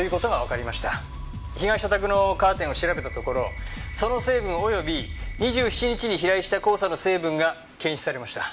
被害者宅のカーテンを調べたところその成分及び２７日に飛来した黄砂の成分が検出されました。